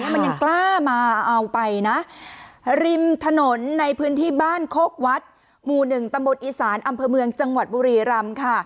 มันยังกล้ามาเอาไปนะริมถนนในพื้นที่บ้านโคกวัดหมู่๑ตำบลอีสานอำเภอเมืองจังหวัดบุรีรำค่ะ